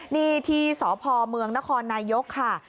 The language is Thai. นี่ที่สพเมืองนครนายกค่ะ